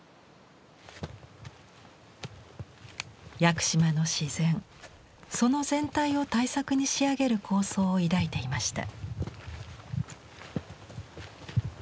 屋久島の自然その全体を大作に仕上げる構想を抱いていました。